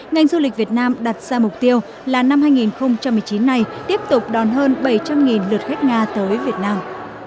ngành du lịch việt nam đặt ra mục tiêu là năm hai nghìn một mươi chín này tiếp tục đón hơn bảy trăm linh lượt khách nga tới việt nam